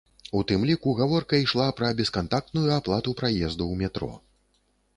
У тым ліку гаворка ішла пра бескантактную аплату праезду ў метро.